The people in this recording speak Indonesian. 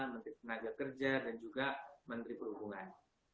menteri tenaga kerja dan juga menteri perhubungan